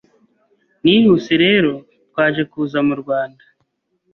Nihuse rero twaje kuza mu Rwanda